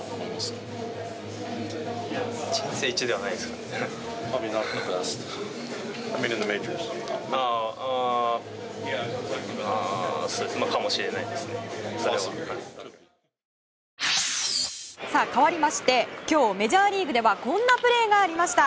かわりまして今日、メジャーリーグではこんなプレーがありました。